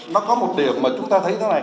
nó có một điều mà chúng ta thấy thế này